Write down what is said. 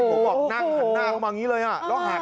โอ้โฮนั่งถัดหน้าเข้ามาอย่างนี้เลยฮะ